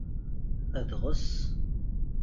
Adɣes.